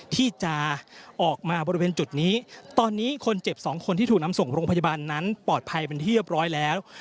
ที่จะออกมาบริเวณจุดนี้ตอนนี้คนเจ็บสองคนที่ถูกนำส่งโรงพยาบาลนั้นปลอดภัยเป็นที่เรียบร้อยแล้ว